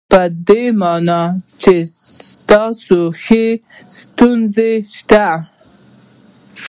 په دې مانا چې تاسې ښيئ چې ستونزه شته.